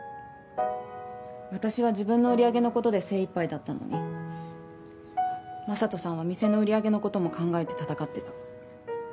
私は自分の売り上げのことで精いっぱいだったのにＭａｓａｔｏさんは店の売り上げのことも考えて戦ってた。